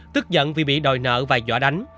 tức giận vì bị đòi nợ và dọa đánh